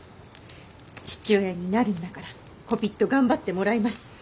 父親になるんだからこぴっと頑張ってもらいます。